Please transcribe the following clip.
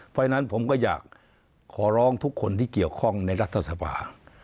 เพราะฉะนั้นผมก็อยากขอร้องทุกคนที่เกี่ยวข้องในรัฐสภา